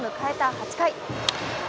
８回。